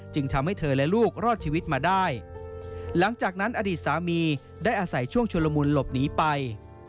ทำให้เธอและลูกรอดชีวิตมาได้หลังจากนั้นอดีตสามีได้อาศัยช่วงชุลมุนหลบหนีไป